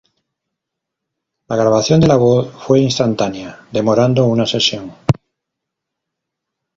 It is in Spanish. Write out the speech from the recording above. La grabación de la voz fue instantánea, demorando una sesión.